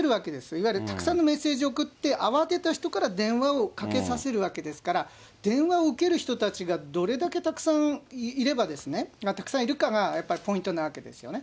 いわゆるたくさんのメッセージを送って、慌てた人から電話をかけさせるわけですから、電話を受ける人たちがどれだけたくさんいれば、たくさんいるかがやっぱりポイントなわけですよね。